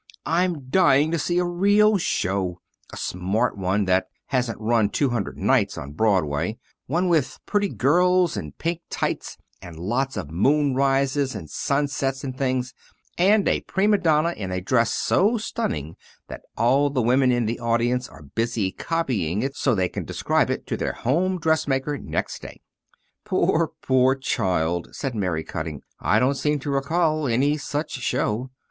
I'm dying to see a real show a smart one that hasn't run two hundred nights on Broadway one with pretty girls, and pink tights, and a lot of moonrises, and sunsets and things, and a prima donna in a dress so stunning that all the women in the audience are busy copying it so they can describe it to their home dressmaker next day." "Poor, poor child," said Mary Cutting, "I don't seem to recall any such show."